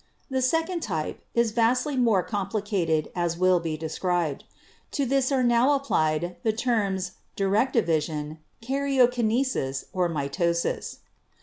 The second type is vastly more com plicated, as will be described. To this are now applied the terms 'direct division,' 'karyokinesis' or 'mitosis.'